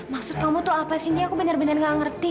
maksud kamu tuh apa sih ini aku benar benar gak ngerti